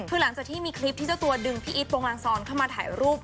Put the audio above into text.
คือหลังจากที่มีคลิปที่เจ้าตัวดึงพี่อีทโปรงลางซอนเข้ามาถ่ายรูป